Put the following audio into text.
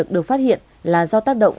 được phát hiện là do tác động